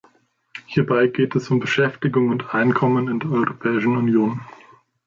Hierbei geht es um Beschäftigung und Einkommen in der Europäischen Union.